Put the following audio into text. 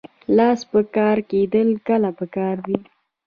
لاس په کار کیدل کله پکار دي؟